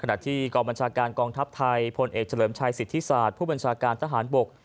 ที่กองบัญชาการกองทัพไทยพลเอกเฉลิมชัยสิทธิศาสตร์ผู้บัญชาการทหารบก